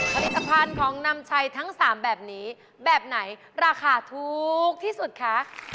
ผลิตภัณฑ์ของนำชัยทั้ง๓แบบนี้แบบไหนราคาถูกที่สุดคะ